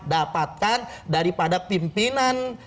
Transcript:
dapatkan daripada pimpinan